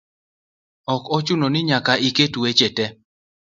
ok ochuno ni nyaka iket weche te.